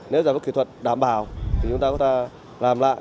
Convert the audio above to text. nếu giải pháp kỹ thuật đảm bảo thì chúng ta có thể làm lại